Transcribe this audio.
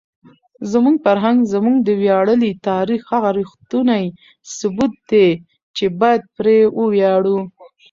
زموږ فرهنګ زموږ د ویاړلي تاریخ هغه ریښتونی ثبوت دی چې باید پرې وویاړو.